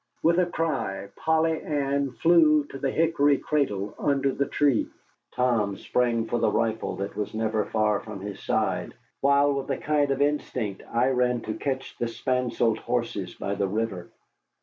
With a cry Polly Ann flew to the hickory cradle under the tree, Tom sprang for the rifle that was never far from his side, while with a kind of instinct I ran to catch the spancelled horses by the river.